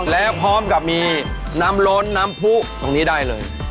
แล้วพร้อมกับมีน้ำล้นน้ำผู้ตรงนี้ได้เลย